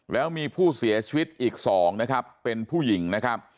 แล้วมีผู้เสียชีวิตอีก๒นะครับเป็นผู้หญิงนะครับ